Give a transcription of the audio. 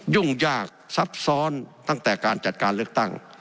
ยุ่งยากซับซ้อนตั้งแต่การจัดการเลือกตั้ง